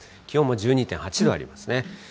気温も１２．８度ありますね。